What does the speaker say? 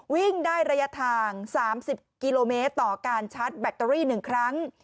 วิ่งได้ระยะทาง๓๐กิโลเมตรต่อการชาร์จแบตเตอรี่๑ครั้ง